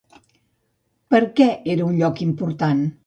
Per què era un lloc important?